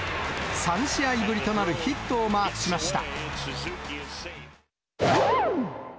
３試合ぶりとなるヒットをマークしました。